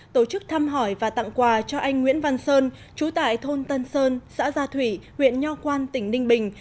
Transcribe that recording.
tổ chức thăm hỏi và tặng quà cho anh nguyễn văn sơn trú tại thôn tân sơn xã gia thủy huyện nho quan tỉnh ninh bình